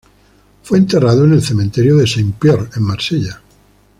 Fue enterrado en el Cementerio Saint-Pierre, en Marsella.